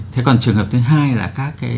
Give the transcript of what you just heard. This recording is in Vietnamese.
thế còn trường hợp thứ hai là các cái